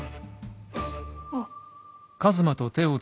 あっ。